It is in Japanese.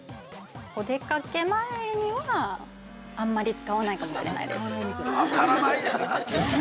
◆お出かけ前には、あんまり使わないかもしれないです。